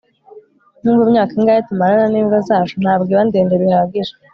nubwo imyaka ingahe tumarana n'imbwa zacu, ntabwo iba ndende bihagije